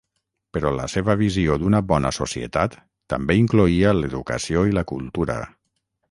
Però la seva visió d'una bona societat també incloïa l'educació i la cultura.